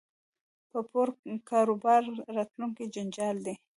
په پور کاروبار راتلونکی جنجال دی